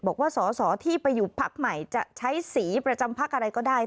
บอกว่าส่อที่ไปอยู่ภักดิ์ใหม่จะใช้ศรีประจำภักดิ์อะไรก็ได้